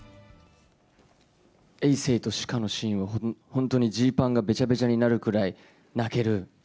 えい政と紫夏のシーンは、本当にジーパンがべちゃべちゃになるくらい泣ける。